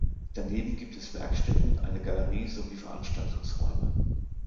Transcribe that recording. Daneben gibt es Werkstätten, eine Galerie sowie Veranstaltungsräume.